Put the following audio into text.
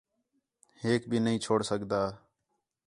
ہیک بھی نہیں چھوڑ سڳدا